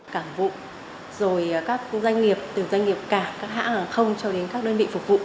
cảng vụ rồi các doanh nghiệp từ doanh nghiệp cảng các hãng hàng không cho đến các đơn vị phục vụ